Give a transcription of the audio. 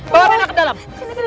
bawa rena ke dalam